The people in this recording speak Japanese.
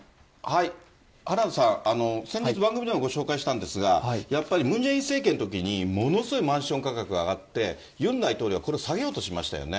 原田さん、先日、番組でもご紹介したんですが、やっぱりムン・ジェイン政権のときに、ものすごいマンション価格が上がって、ユン大統領がこれ、下げようとしましたよね。